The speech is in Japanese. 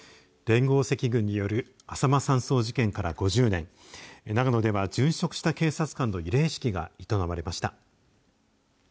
連合赤軍によるあさま山荘事件から５０年長野では殉職した警察官の慰霊式が営まれました。